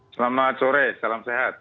selamat sore salam sehat